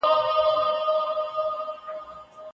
ناسمه غذا د ټولنې فکري ظرفیت کمزوری کوي.